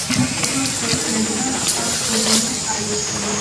წყვილს ქორწინებიდან ჰყავს გოგონა ტაისია.